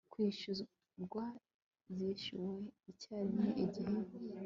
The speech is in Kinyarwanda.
kwishyurwa zishyuwe icyarimwe igihe